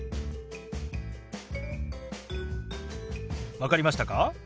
分かりましたか？